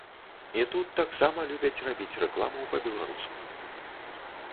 І тут таксама любяць рабіць рэкламу па-беларуску.